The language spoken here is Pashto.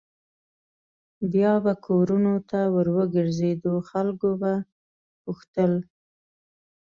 بیا به کورونو ته ور وګرځېدو خلکو به پوښتل.